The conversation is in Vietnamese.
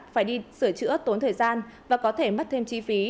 phải đi sửa chữa tốn thời gian và có thể mất thêm chi phí